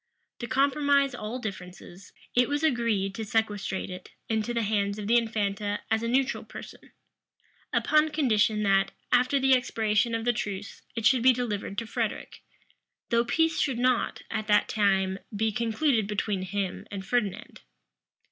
To compromise all differences, it was agreed to sequestrate it into the hands of the infanta as a neutral person; upon condition that, after the expiration of the truce, it should be delivered to Frederic; though peace should not, at that time, be concluded between him and Ferdinand.